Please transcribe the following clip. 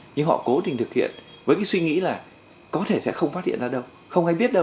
nhưng họ cố tình thực hiện với cái suy nghĩ là có thể sẽ không phát hiện ra đâu không ai biết đâu